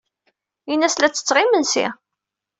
Ini-as la ttetteɣ imensi.